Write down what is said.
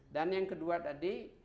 dan yang kedua tadi